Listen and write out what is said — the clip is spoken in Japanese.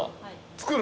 作る？